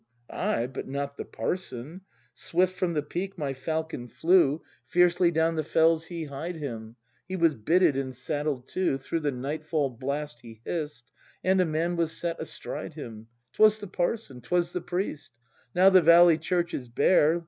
Ay, but not the parson! Swift From the peak my falcon flew. ACT III] BRAND 147 Fiercely down the fells he hied him, He was bitted and saddled too, Through the nightfall blast he hiss'd. And a man was set astride him, — 'Twas the parson, 'twas the priest! Now the valley church is bare.